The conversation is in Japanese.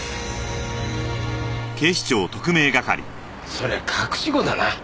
そりゃ隠し子だな。